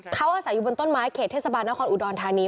เขาอาศัยอยู่บนต้นไม้เขตเทศบาลนครอุดรธานี